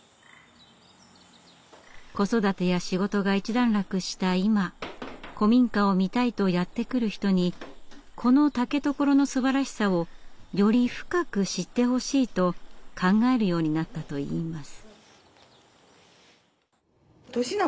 子育てや仕事が一段落した今古民家を見たいとやって来る人にこの竹所のすばらしさをより深く知ってほしいと考えるようになったといいます。